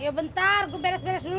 ya bentar gue beres beres dulu